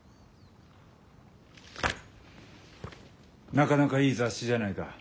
なかなかいい雑誌じゃないか。